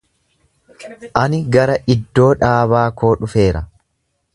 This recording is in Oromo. Ani gara iddoo dhaabaa koo dhufeera.